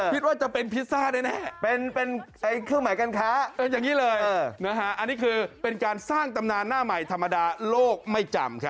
คิดว่าจะเป็นพิซซ่าแน่เป็นเครื่องหมายการค้าเป็นอย่างนี้เลยอันนี้คือเป็นการสร้างตำนานหน้าใหม่ธรรมดาโลกไม่จำครับ